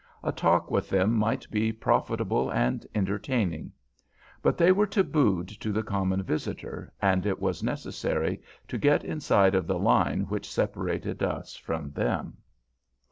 A talk with them might be profitable and entertaining. But they were tabooed to the common visitor, and it was necessary to get inside of the line which separated us from them.